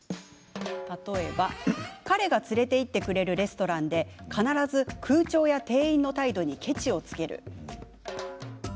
「彼が連れて行ってくれるレストランで、必ず空調や店員の態度にケチをつける。」